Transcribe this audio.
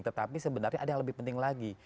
tetapi sebenarnya ada yang lebih penting lagi